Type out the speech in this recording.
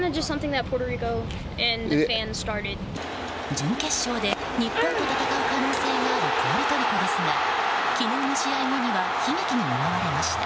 準決勝で日本と戦う可能性があるプエルトリコですが昨日の試合後には悲劇に見舞われました。